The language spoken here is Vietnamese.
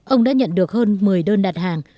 ông đã nhận được hơn một mươi đơn đặt hàng